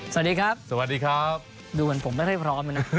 สวัสดีครับสวัสดีครับดูเหมือนผมไม่ได้พร้อมเลยนะ